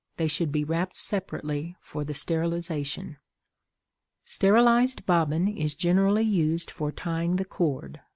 They should be wrapped separately for the sterilization. Sterilized bobbin is generally used for tying the cord.